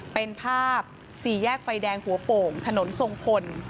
เป็นภาพสี่แยกไฟแดงหัวโป่งถนนทรงพล